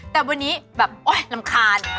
แต่วันนี้แบบโอ๊ยรำคาญ